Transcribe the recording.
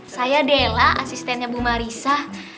saya della asistennya bu marisa